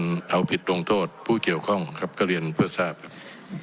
เขาผิดโดงโทษผู้เกี่ยวข้องครับเก้าเรียนเพื่อทราบครับ